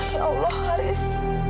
ya allah haris